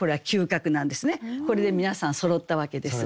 これで皆さんそろったわけです。